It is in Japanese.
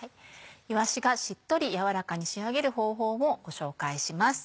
いわしがしっとり軟らかに仕上げる方法をご紹介します。